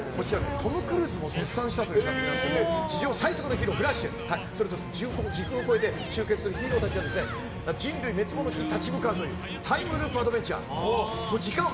トム・クルーズも絶賛したという作品で地上最速ヒーロー、フラッシュ時空を超えて集結するヒーローたちが人類滅亡の危機に立ち向かうというタイムループアドベンチャー。